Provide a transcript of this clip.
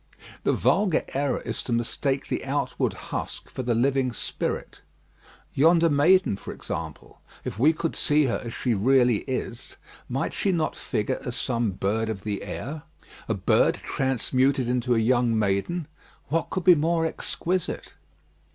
The vulgar error is to mistake the outward husk for the living spirit. Yonder maiden, for example, if we could see her as she really is, might she not figure as some bird of the air? A bird transmuted into a young maiden, what could be more exquisite?